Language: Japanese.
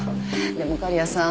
でも狩矢さん。